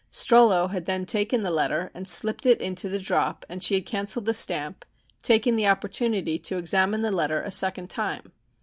Strollo had then taken the letter and slipped it into the "drop" and she had cancelled the stamp, taking the opportunity to examine the letter a second time.